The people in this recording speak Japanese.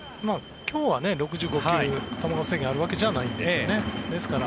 今日は６５球、球数制限があるわけじゃないんですよね。